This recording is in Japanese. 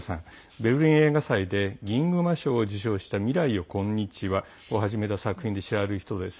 ベルリン映画祭で銀熊賞を受賞した「未来よこんにちは」をはじめとした作品で知られる人です。